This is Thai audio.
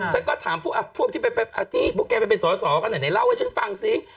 ฉันก็ถามพวกที่พวกแกไปเป็นสอสอก็ไหนเล่าให้ฉันฟังซิ